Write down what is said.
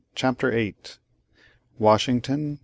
CHAPTER VIII WASHINGTON.